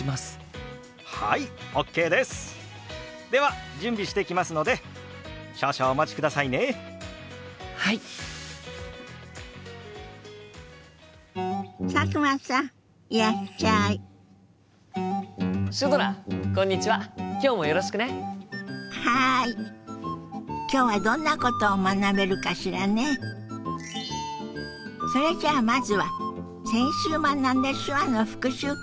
それじゃあまずは先週学んだ手話の復習から始めましょ。